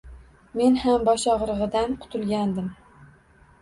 Men ham boshog‘rig‘idan qutulgandim